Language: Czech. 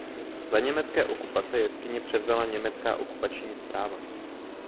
Za německé okupace jeskyni převzala německá okupační správa.